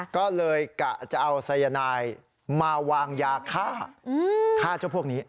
ก็เลยกะจะเอาสายนายมาวางยาฆ่าฆ่าเจ้าพวกนี้